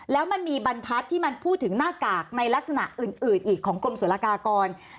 แล้วมันมีบรรทัศน์ที่มันพูดถึงหน้ากากในลักษณะอื่นอีกของกรมศุลกากร